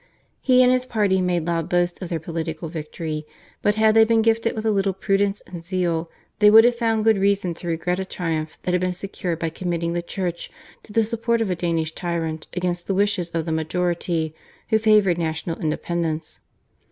He and his party made loud boast of their political victory, but had they been gifted with a little prudence and zeal they would have found good reason to regret a triumph that had been secured by committing the Church to the support of a Danish tyrant against the wishes of the majority who favoured national independence.